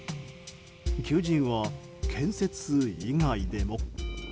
求人は建設以外にでも。